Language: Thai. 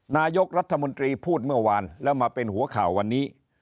นายกรัฐมนตรีพูดเมื่อวานแล้วมาเป็นหัวข่าววันนี้